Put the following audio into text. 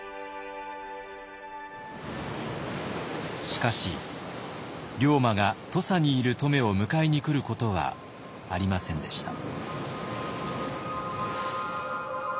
しかし龍馬が土佐にいる乙女を迎えに来ることはありませんでした。